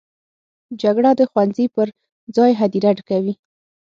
جګړه د ښوونځي پر ځای هدیره ډکوي